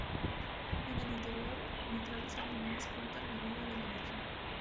En el interior, vitrales alemanes cuentan la vida de la Virgen.